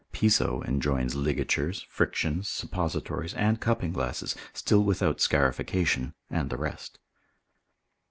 Piso enjoins ligatures, frictions, suppositories, and cupping glasses, still without scarification, and the rest.